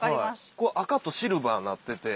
ここ赤とシルバーになってて。